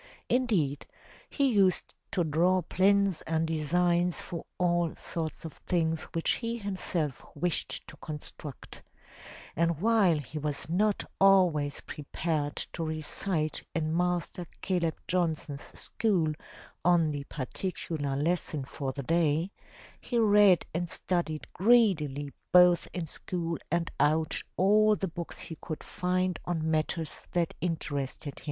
Indeed he used to draw plans and designs for all sorts of things which he himself wished to construct, and while he was not always prepared to recite in Master Caleb Johnson's school on the particular lesson for the day, he read and studied greedily both in school and out all the books he could find on matters that interested